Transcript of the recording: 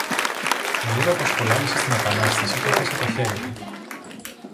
Μου είπε πως πολέμησε στην Επανάσταση κι έχασε το χέρι του.